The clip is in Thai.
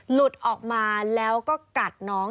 หลุดออกมาแล้วก็กัดน้อง